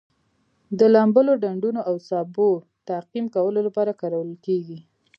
د لامبلو ډنډونو او سابو تعقیم کولو لپاره کارول کیږي.